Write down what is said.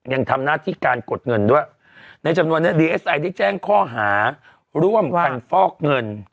ยังทำหน้าที่การกดเงินด้วยในจำนวนนี้ดีเอสไอได้แจ้งข้อหาร่วมกันฟอกเงิน